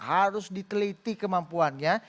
harus diteliti kemampuannya